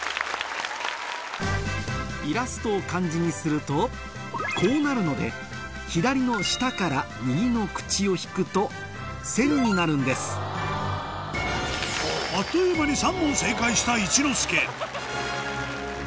イラストを漢字にするとこうなるので左の「舌」から右の「口」を引くと「千」になるんですあっという間に僕。